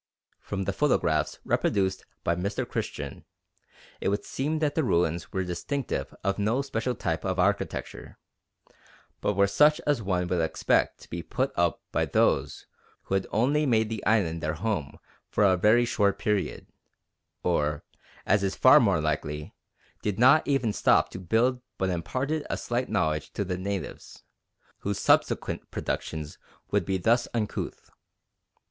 From the photographs reproduced by Mr. Christian it would seem that the ruins were distinctive of no special type of architecture, but were such as one would expect to be put up by those who had only made the islands their home for a very short period, or, as is far more likely, did not even stop to build but imparted a slight knowledge to the natives, whose subsequent productions would be thus uncouth.